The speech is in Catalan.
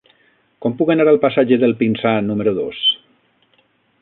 Com puc anar al passatge del Pinsà número dos?